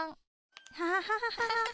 アハハハハ。